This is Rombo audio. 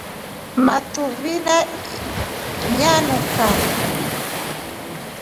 Matuvi nyanuka.